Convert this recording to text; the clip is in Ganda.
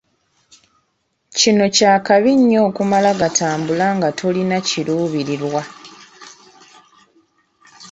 Kino kya kabi nnyo okumala gatambula nga tolina kiluubirirwa.